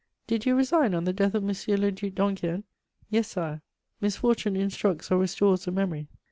"Did you resign on the death of M. le Duc d'Enghien?" "Yes, Sire." Misfortune instructs or restores the memory.